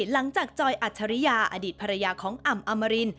หลังจากจอยอัตชริยาอดีตภรรยาของอำอมริน